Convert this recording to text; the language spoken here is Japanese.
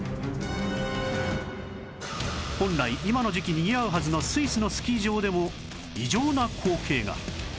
本来今の時期にぎわうはずのスイスのスキー場でも異常な光景が